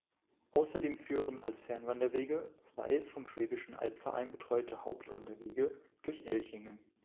Außerdem führen als Fernwanderwege zwei vom Schwäbischen Albverein betreute Hauptwanderwege durch Elchingen.